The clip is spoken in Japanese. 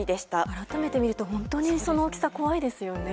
改めて見ると本当にその大きさ怖いですね。